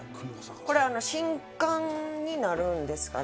これ新刊になるんですかね。